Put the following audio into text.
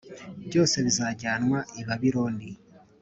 byose bizajyanwa i Babiloni;